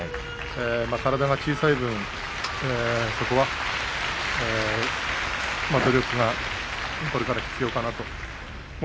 体が小さい分、努力がこれから必要かなと思います。